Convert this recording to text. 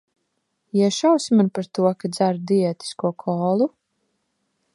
Iešausi man par to, ka dzeru diētisko kolu?